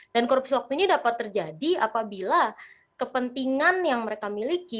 dan korupsi waktu ini dapat terjadi apabila kepentingan yang mereka miliki